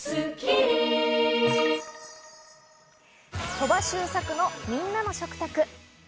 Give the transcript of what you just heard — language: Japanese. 鳥羽周作のみんなの食卓。